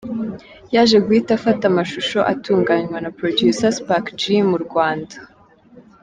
Yaje guhita afata amashusho atunganywa na Producer Spark G mu Rwanda.